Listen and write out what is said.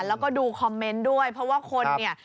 แล้วก็ดูคอมเมนต์ด้วยเพราะว่าคนเนี่ย